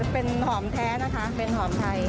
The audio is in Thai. เป็นหอมแท้นะคะเป็นหอมไทย